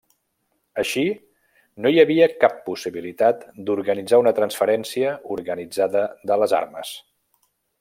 Així, no hi havia cap possibilitat d'organitzar una transferència organitzada de les armes.